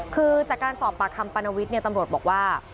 คือจากการสอบปากคำปานวิทย์ตำรวจบอกว่า